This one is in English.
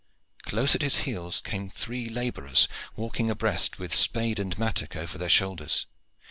Close at his heels came three laborers walking abreast, with spade and mattock over their shoulders.